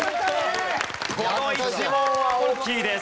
この１問は大きいです。